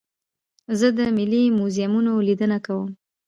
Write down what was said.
زه د ملي موزیمونو لیدنه کوم.